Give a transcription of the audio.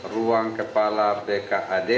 ruang kepala bkhd